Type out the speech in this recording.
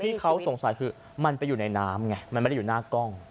ที่เขาสงสัยคือมันไปอยู่ในน้ำไงมันไม่ได้อยู่หน้ากล้อง